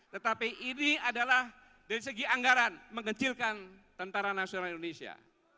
tetapi ini adalah dari segi anggaran mengecilkan tentara nasional indonesia